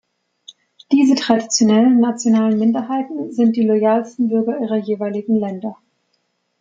Diese traditionellen nationalen Minderheiten sind die loyalsten Bürger ihrer jeweiligen Länder.